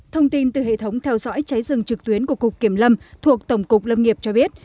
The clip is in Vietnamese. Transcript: thông tin từ hệ thống theo dõi cháy rừng trực tuyến của cục kiểm lâm thuộc tổng cục lâm nghiệp cho biết